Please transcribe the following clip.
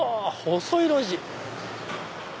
細い路地。